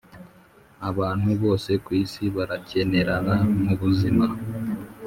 abantu bose kwisi barakenerana mu buzima